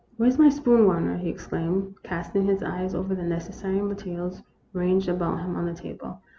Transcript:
" Where 's my spoon, Warner ?" he exclaimed, casting his eyes over the necessary materials ranged about him on the table.